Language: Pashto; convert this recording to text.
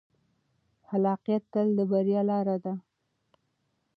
خلاقیت تل د بریا لاره ده.